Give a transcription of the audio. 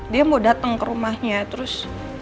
dia mau datang ke rumahnya terus